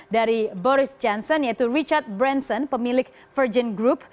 dari boris johnson yaitu richard branson pemilik virgin group